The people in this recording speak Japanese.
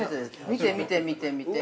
見て見て見て見て。